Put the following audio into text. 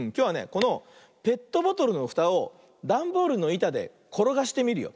このペットボトルのふたをだんボールのいたでころがしてみるよ。